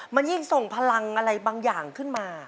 มันยิ่งส่งพลังอะไรบางอย่างขึ้นมา